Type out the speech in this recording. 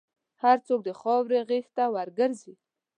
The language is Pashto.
هر څوک د خاورې غېږ ته ورګرځي.